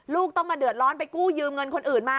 ลูกต้องมาเดือดร้อนไปกู้ยืมเงินคนอื่นมา